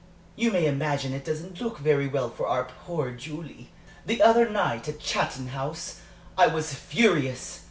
You may imagine it doesn't look very well for our poor Julie. The other night at Chatton House I was furious.